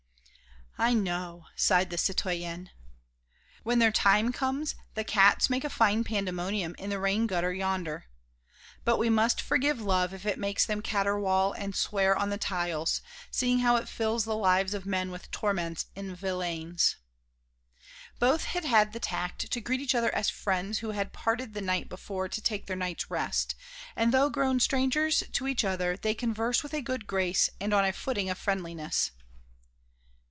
"I know," sighed the citoyenne. "When their time comes the cats make a fine pandemonium in the rain gutter yonder. But we must forgive love if it makes them caterwaul and swear on the tiles, seeing how it fills the lives of men with torments and villanies." Both had had the tact to greet each other as friends who had parted the night before to take their night's rest, and though grown strangers to each other, they conversed with a good grace and on a footing of friendliness.